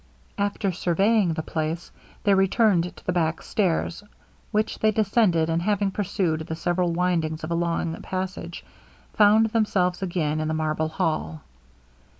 After surveying the place, they returned to the back stairs, which they descended, and having pursued the several windings of a long passage, found themselves again in the marble hall.